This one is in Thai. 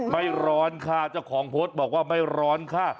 ไม่ร้อนค่ะเจ้าของโพสต์บอกว่าไม่ร้อนค่ะ